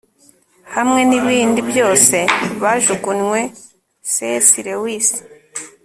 hamwe n'ibindi byose bajugunywe - c s lewis